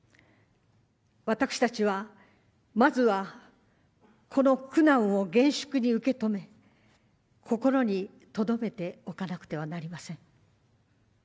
私たちは、まずはこの苦難を厳粛に受け止め心にとどめておかなくてはなりません。